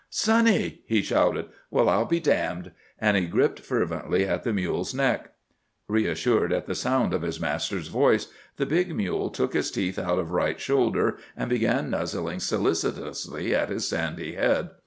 "Sonny!" he shouted. "Well, I'll be d——d!" And he gripped fervently at the mule's neck. Reassured at the sound of his master's voice, the big mule took his teeth out of Wright's shoulder and began nuzzling solicitously at his sandy head.